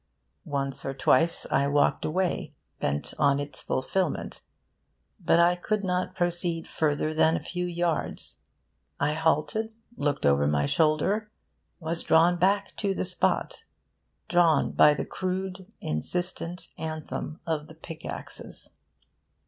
Once or twice I walked away, bent on its fulfilment. But I could not proceed further than a few yards. I halted, looked over my shoulder, was drawn back to the spot, drawn by the crude, insistent anthem of the pick axes.